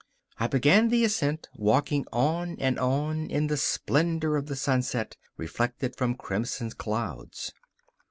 I began the ascent, walking on and on in the splendour of the sunset, reflected from crimson clouds.